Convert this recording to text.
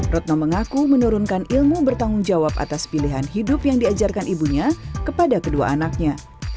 retno mengaku menurunkan ilmu bertanggung jawab atas pilihan hidup yang diajarkan ibunya kepada kedua anaknya